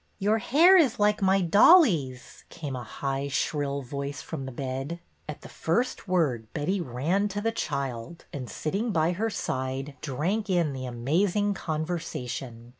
'' Your hair is like my dolly's," came a high, shrill voice from the bed. EDWYNA FROM THE WEST i8i At the first word Betty ran to the child, and, sitting by her side, drank in the amazing conversation.